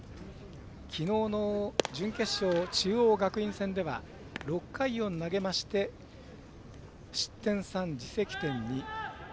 きのうの準決勝、中央学院戦では６回を投げまして失点３、自責点２。